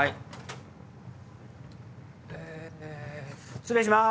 失礼します！